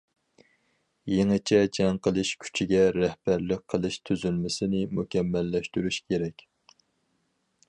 يېڭىچە جەڭ قىلىش كۈچىگە رەھبەرلىك قىلىش تۈزۈلمىسىنى مۇكەممەللەشتۈرۈش كېرەك.